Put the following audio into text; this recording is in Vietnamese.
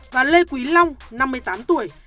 và lê quý long năm mươi tám tuổi